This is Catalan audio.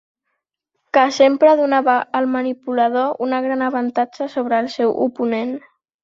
Que sempre donava al manipulador una gran avantatge sobre el seu oponent.